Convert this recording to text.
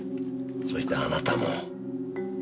そしてあなたも。